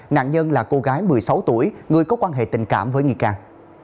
nạn nhân là cô gái một mươi sáu tuổi người có quan hệ tình cảm với nghi can